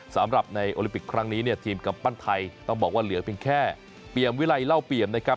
สำหรับในโอลิมปิกครั้งนี้เนี่ยทีมกำปั้นไทยต้องบอกว่าเหลือเพียงแค่เปรียมวิไลเล่าเปรียมนะครับ